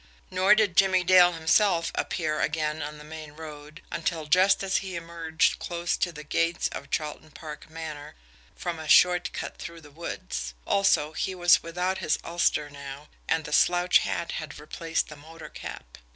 Nor did Jimmie Dale himself appear again on the main road until just as he emerged close to the gates of Charleton Park Manor from a short cut through the woods. Also, he was without his ulster now, and the slouch hat had replaced the motor cap.